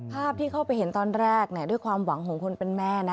ภาพที่เข้าไปเห็นตอนแรกด้วยความหวังของคนเป็นแม่นะ